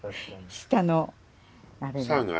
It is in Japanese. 下のあれが。